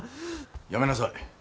やめなさい。